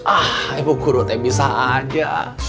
ah ibu guru teh bisa aja